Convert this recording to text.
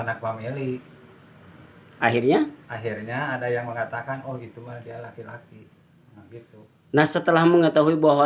anak pameli akhirnya akhirnya ada yang mengatakan oh gitu dia laki laki gitu nah setelah mengetahui bahwa